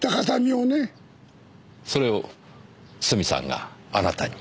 それをスミさんがあなたに。